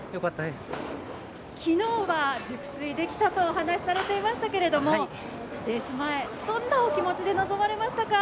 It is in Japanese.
昨日は熟睡できたとお話しされていましたけどレース前、どんなお気持ちで臨まれましたか？